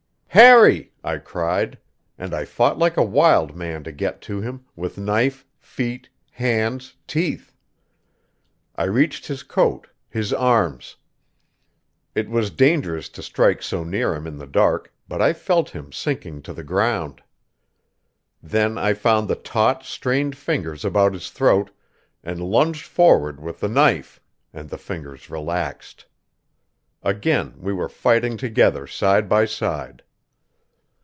"Harry!" I cried, and I fought like a wild man to get to him, with knife, feet, hands, teeth. I reached his coat, his arm; it was dangerous to strike so near him in the dark, but I felt him sinking to the ground. Then I found the taut, straining fingers about his throat, and lunged forward with the knife and the fingers relaxed. Again we were fighting together side by side.